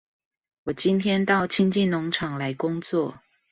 我今天到清境農場來工作